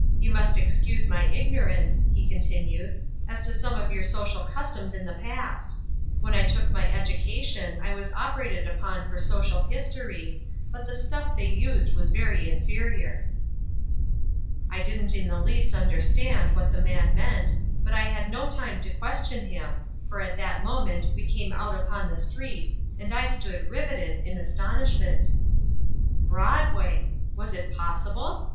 You must excuse my ignorance," he continued, "as to some of your social customs in the past. When I took my education I was operated upon for social history, but the stuff they used was very inferior." I didn't in the least understand what the man meant, but had no time to question him, for at that moment we came out upon the street, and I stood riveted in astonishment. Broadway! Was it possible?